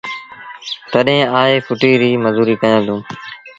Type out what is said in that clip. تڏهيݩ آئي ڦُٽيٚ ريٚ مزوريٚ ڪيآݩدوݩ۔